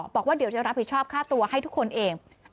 บอกว่าเดี๋ยวจะรับผิดชอบค่าตัวให้ทุกคนเอง